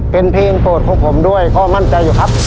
เป็นเพลงโปรดของผมด้วยก็มั่นใจอยู่ครับ